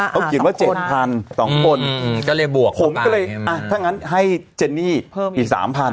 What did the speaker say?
เขาเขียนว่า๗๐๐๐๒คนผมก็เลยถ้างั้นให้เจนนี่อีก๓๐๐๐